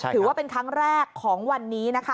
ถือว่าเป็นครั้งแรกของวันนี้นะคะ